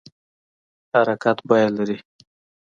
حرکت بیه لري